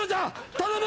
頼む。